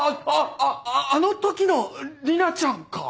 ああの時の莉奈ちゃんか！